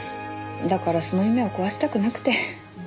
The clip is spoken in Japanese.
だからその夢を壊したくなくて。